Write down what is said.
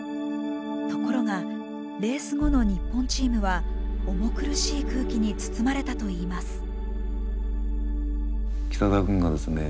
ところがレース後の日本チームは重苦しい空気に包まれたといいます。